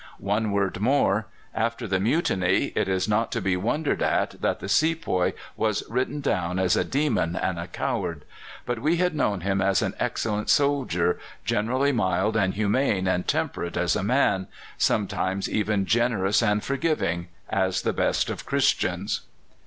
One word more: After the Mutiny, it is not to be wondered at that the sepoy was written down as a demon and a coward; but we had known him as an excellent soldier, generally mild and humane and temperate as a man, sometimes even generous and forgiving, as the best of Christians."